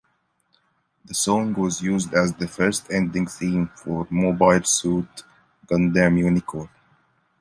The song was used as the first ending theme for "Mobile Suit Gundam Unicorn".